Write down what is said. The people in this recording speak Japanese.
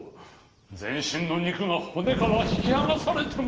全身の肉が骨から引きはがされても！